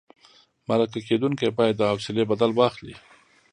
مرکه کېدونکی باید د حوصلې بدل واخلي.